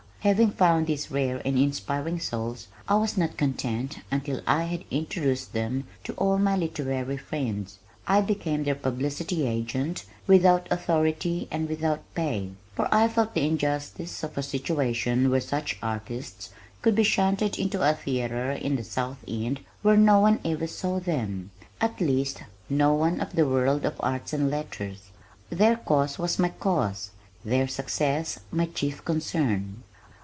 Having found these rare and inspiring souls I was not content until I had introduced them to all my literary friends. I became their publicity agent without authority and without pay, for I felt the injustice of a situation where such artists could be shunted into a theater in The South End where no one ever saw them at least no one of the world of art and letters. Their cause was my cause, their success my chief concern.